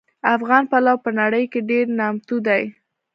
افغان پلو په نړۍ کې ډېر نامتو دي